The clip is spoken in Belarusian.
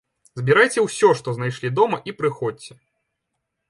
Збірайце ўсе, што знайшлі дома і прыходзьце!